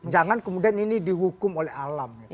jangan kemudian ini dihukum oleh alam